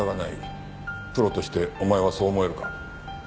プロとしてお前はそう思えるか？